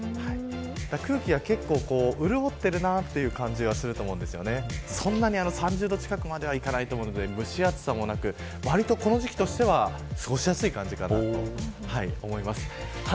空気は結構、潤っているなという感じがすると思うんですがそんなに３０度近くまではいかないと思うので蒸し暑さもなくこの時期としては過ごしやすい感じかなと思います。